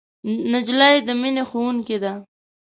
نجلۍ د مینې ښوونکې ده.